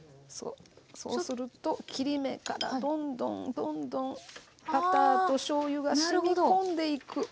そうすると切り目からどんどんどんどんバターとしょうゆがしみ込んでいく。